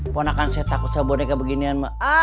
puan akan saya takut sama boneka beginian